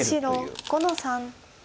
白５の三。